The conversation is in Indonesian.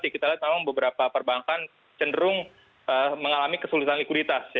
kita lihat memang beberapa perbankan cenderung mengalami kesulitan likuiditas